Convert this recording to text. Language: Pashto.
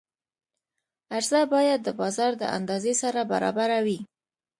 عرضه باید د بازار د اندازې سره برابره وي.